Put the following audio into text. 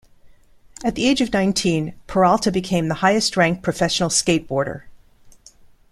At the age of nineteen, Peralta became the highest-ranked professional skateboarder.